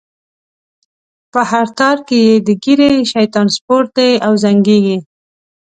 په هر تار کی یې د ږیری؛ شیطان سپور دی او زنګیږی